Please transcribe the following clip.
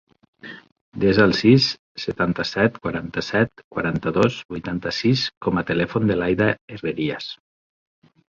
Desa el sis, setanta-set, quaranta-set, quaranta-dos, vuitanta-sis com a telèfon de l'Aïda Herrerias.